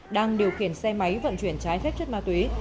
đang điều khiển xe máy vận chuyển trái phép chất ma túy